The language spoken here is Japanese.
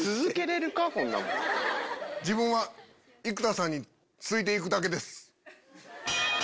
自分は生田さんについていくだけです。